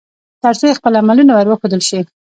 ترڅو يې خپل عملونه ور وښودل شي